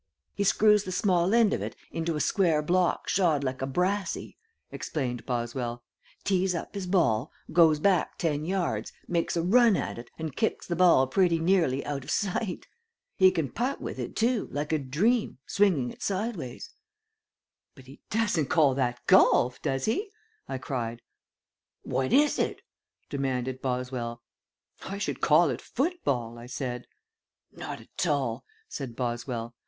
"He screws the small end of it into a square block shod like a brassey," explained Boswell, "tees up his ball, goes back ten yards, makes a run at it and kicks the ball pretty nearly out of sight. He can put with it too, like a dream, swinging it sideways." "But he doesn't call that golf, does he?" I cried. "What is it?" demanded Boswell. "I should call it football," I said. "Not at all," said Boswell.